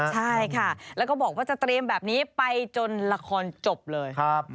ใช่ค่ะแล้วก็บอกว่าจะเตรียมแบบนี้ไปจนละครจบเลย